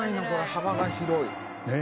幅が広い」